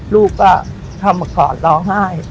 ลูกก็เข้ามากอดร้องไห้